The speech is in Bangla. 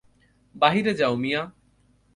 বাহিরে যাও মিয়া।